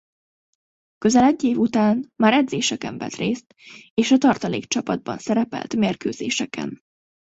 Közel egy év után már edzéseken vett részt és a tartalék csapatban szerepelt mérkőzéseken.